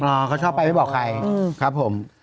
เขาชอบไปไม่บอกใครครับผม